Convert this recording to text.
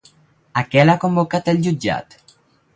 A què l'ha convocat el jutjat?